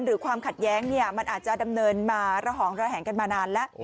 ความขัดแย้งเนี่ยมันอาจจะดำเนินมาระหองระแหงกันมานานแล้ว